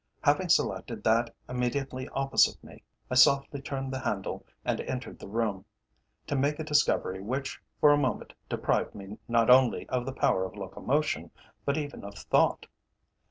Having selected that immediately opposite me, I softly turned the handle and entered the room to make a discovery which for a moment deprived me not only of the power of locomotion, but even of thought.